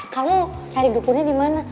kamu cari dukunin dimana